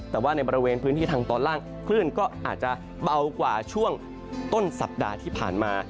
แต่ว่าในบริเวณพื้นที่ทางตอนล่างคลื่นก็อาจจะเบากว่าช่วงต้นสัปดาห์ที่ผ่านมา